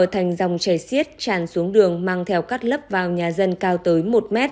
thành dòng chảy xiết tràn xuống đường mang theo cắt lấp vào nhà dân cao tới một m